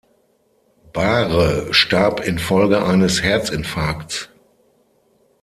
Bahre starb infolge eines Herzinfarkts.